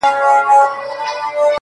گوره اوښكي به در تـــوى كـــــــــړم